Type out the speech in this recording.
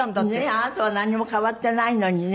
あなたはなんにも変わってないのにね。